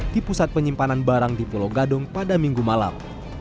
di pusat penyimpanan barang di pulau gadung pada minggu malam